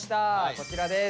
こちらです。